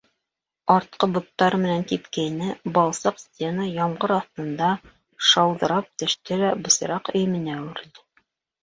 Артҡы боттары менән типкәйне, балсыҡ стена ямғыр аҫтында шауҙырап төштө лә бысраҡ өйөмөнә әүерелде.